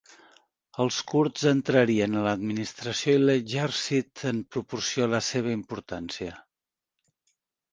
Els kurds entrarien a l'administració i l'exèrcit en proporció a la seva importància.